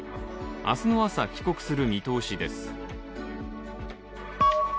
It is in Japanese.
明日の朝、帰国する見通しです。